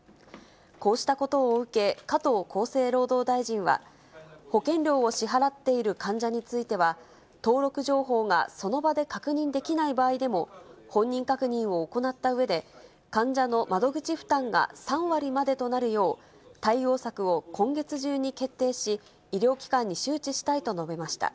こうしたことを受け、加藤厚生労働大臣は、保険料を支払っている患者については、登録情報がその場で確認できない場合でも、本人確認を行ったうえで、患者の窓口負担が３割までとなるよう、対応策を今月中に決定し、医療機関に周知したいと述べました。